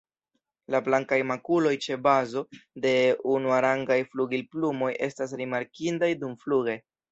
La blankaj makuloj ĉe bazo de unuarangaj flugilplumoj estas rimarkindaj dumfluge.